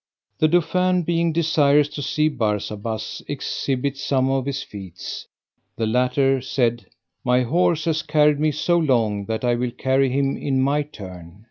The dauphin being desirous to see Barsabas exhibit some of his feats, the latter said, "My horse has carried me so long that I will carry him in my turn."